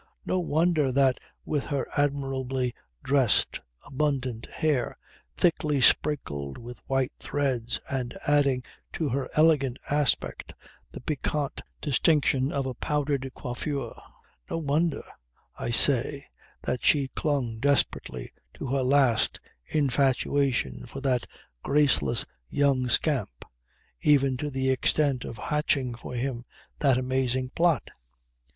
No wonder that with her admirably dressed, abundant hair, thickly sprinkled with white threads and adding to her elegant aspect the piquant distinction of a powdered coiffure no wonder, I say, that she clung desperately to her last infatuation for that graceless young scamp, even to the extent of hatching for him that amazing plot.